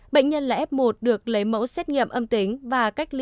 bệnh nhân là f một được lấy mẫu xét nghiệm âm tính